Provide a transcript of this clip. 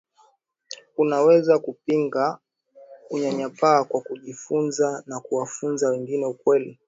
Unaweza kupinga unyanyapaa kwa kujifunza na kuwafunza wengine ukweli